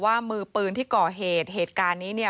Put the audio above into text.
ว่ามือปืนที่ก่อเหตุเหตุการณ์นี้เนี่ย